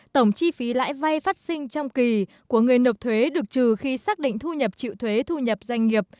tổng chi phí lãi vay phát sinh trong kỳ của người nộp thuế được trừ khi xác định thu nhập chịu thuế thu nhập doanh nghiệp